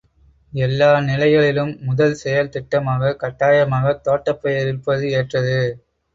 எல்லா நிலைகளிலும் முதல் செயல் திட்டமாக, கட்டாயமாகத் தோட்டப் பயிர் இருப்பது ஏற்றது.